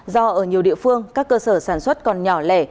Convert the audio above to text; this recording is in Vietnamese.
do ở nhiều địa phương các cơ sở sản xuất còn nhỏ lẻ